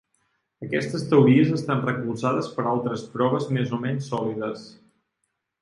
Aquestes teories estan recolzades per altres proves més o menys sòlides.